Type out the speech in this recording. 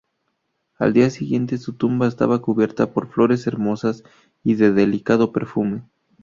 Al día siguiente, su tumba estaba cubierta por flores hermosas y de delicado perfume.